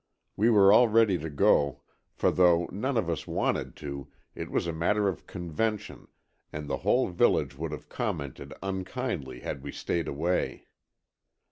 We were all ready to go, for though none of us wanted to, it was a matter of convention and the whole village would have commented unkindly had we stayed away.